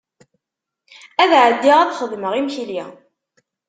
Ad ɛeddiɣ ad xedmeɣ imekli.